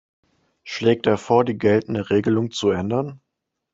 Schlägt er vor, die geltende Regelung zu ändern?